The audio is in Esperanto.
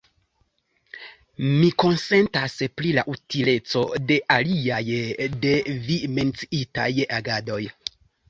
Mi konsentas pri la utileco de la aliaj de vi menciitaj agadoj.